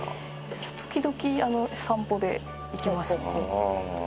「時々散歩で行きますね」